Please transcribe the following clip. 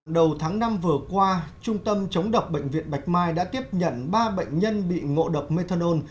đầu tháng năm vừa qua trung tâm chống độc bệnh viện bạch mai đã tiếp nhận ba bệnh nhân bị ngộ độc methanol